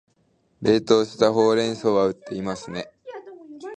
冷凍したほうれん草は売っていますね